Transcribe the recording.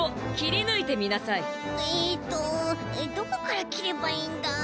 えっとどこからきればいいんだ？